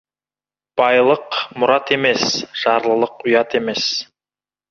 Байлық мұрат емес, жарлылық ұят емес.